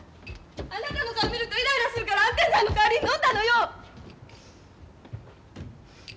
あなたの顔見るとイライラするから安定剤の代わりにのんだのよ。